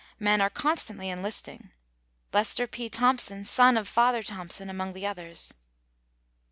Men are constantly enlisting. Lester P. Thompson, son of "Father Thompson," among the others.